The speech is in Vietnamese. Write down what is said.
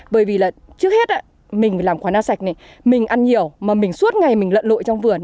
bởi vì là trước hết mình phải làm quán na sạch này mình ăn nhiều mà mình suốt ngày mình lận lội trong vườn